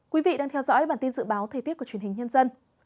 quý vị đang theo dõi bản tin dự báo thời tiết của truyền hình nhân dân